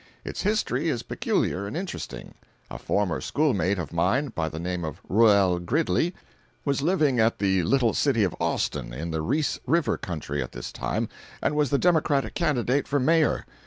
Its history is peculiar and interesting. A former schoolmate of mine, by the name of Reuel Gridley, was living at the little city of Austin, in the Reese river country, at this time, and was the Democratic candidate for mayor.